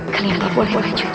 kalian boleh maju